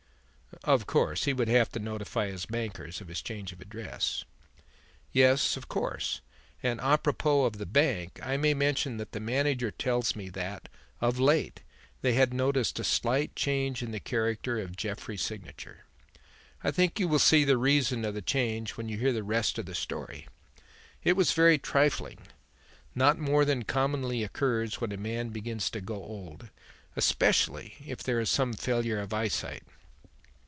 "Of course he would have to notify his bankers of his change of address." "Yes, of course. And à propos of the bank, I may mention that the manager tells me that, of late, they had noticed a slight change in the character of Jeffrey's signature I think you will see the reason of the change when you hear the rest of his story. It was very trifling; not more than commonly occurs when a man begins to grow old, especially if there is some failure of eyesight."